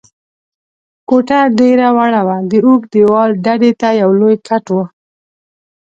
کوټه ډېره وړه وه، د اوږد دېوال ډډې ته یو لوی کټ و.